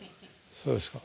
そうですか。